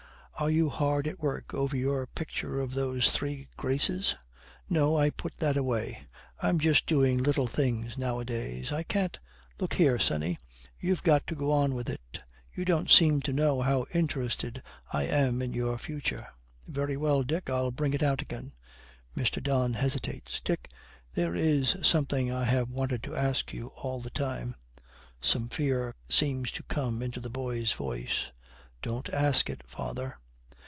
'Are you hard at work over your picture of those three Graces?' 'No. I put that away. I'm just doing little things nowadays. I can't ' 'Look here, sonny, you've got to go on with it. You don't seem to know how interested I am in your future.' 'Very well, Dick; I'll bring it out again.' Mr. Don hesitates. 'Dick, there is something I have wanted to ask you all the time.' Some fear seems to come into the boy's voice. 'Don't ask it, father.'